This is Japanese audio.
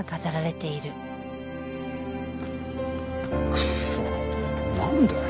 クッソなんだよ